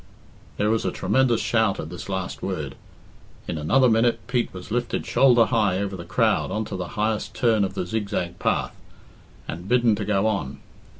There was a tremendous shout at this last word. In another minute Pete was lifted shoulder high over the crowd on to the highest turn of the zigzag path, and bidden to go on.